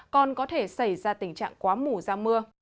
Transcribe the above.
còn có thể xảy ra tình trạng quá mù ra mưa